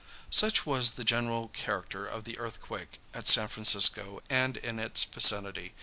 Such was the general character of the earthquake at San Francisco and in its vicinity.